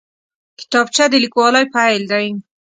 کتابچه د لیکوالۍ پیل دی